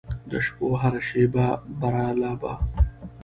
د شپو هره شیبه برالبه